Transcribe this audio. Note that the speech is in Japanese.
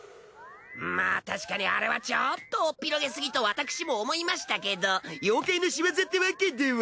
まあ確かにあれはちょっとおっぴろげすぎと私も思いましたけど妖怪のしわざってわけでは。